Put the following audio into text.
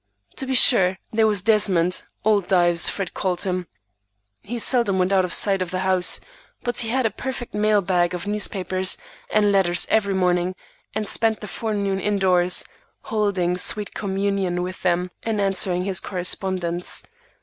To be sure, there was Desmond, "old Dives," Fred called him. He seldom went out of sight of the house, but he had a perfect mail bag of newspapers and letters every morning, and spent the forenoon indoors, holding sweet communion with them and answering his correspondents.